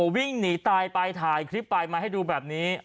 วิ่งหนีตายไปถ่ายคลิปไปมาให้ดูแบบนี้